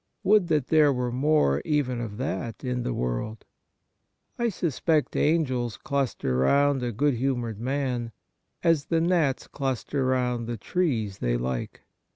Would that there were more even of that in the world ! I suspect angels cluster round a good humoured man, as the gnats cluster round the trees they like.